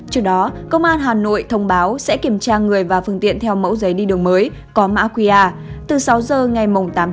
trước đó công an hà nội thông báo sẽ kiểm tra người và phương tiện theo mẫu giấy đi đường mới có mã qr từ sáu giờ ngày tám tháng một